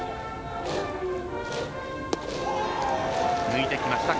抜いてきました。